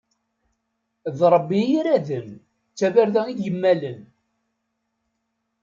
D Ṛebbi i iraden, d tabarda i yemmalen.